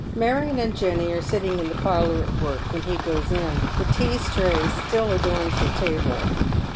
Marion and Jenny are sitting in the parlour at work when he goes in. The tea tray still adorns the table.